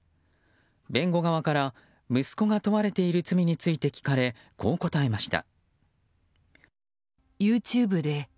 弁護側から、息子が問われている罪について聞かれこう答えました。